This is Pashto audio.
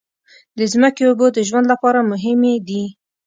د ځمکې اوبو د ژوند لپاره مهمې دي.